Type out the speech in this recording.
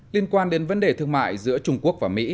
liên quan đến vấn đề thương mại giữa trung quốc và mỹ